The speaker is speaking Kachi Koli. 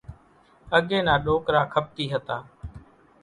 اڳيَ نا ڏوڪرا کپتِي هتا۔